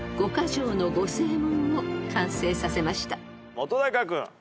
本君。